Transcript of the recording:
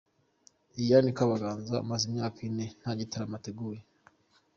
Liliane Kabaganza amaze imyaka ine nta gitaramo ateguye.